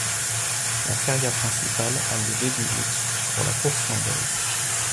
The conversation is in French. La feria principale a lieu début août pour la course landaise.